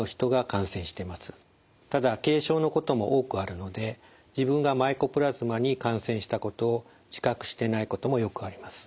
ただ軽症のことも多くあるので自分がマイコプラズマに感染したことを自覚してないこともよくあります。